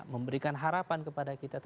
memberikan harapan kepada kita